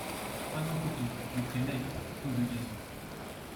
Pas un coteau, des prés maigres, peu de gazon ;